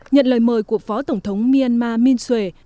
nhận lời mời của phó tổng thống myanmar minh suệ